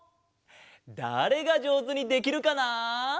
だれがじょうずにできるかな？